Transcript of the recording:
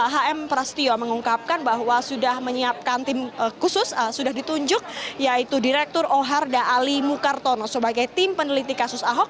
hm prasetyo mengungkapkan bahwa sudah menyiapkan tim khusus sudah ditunjuk yaitu direktur oharda ali mukartono sebagai tim peneliti kasus ahok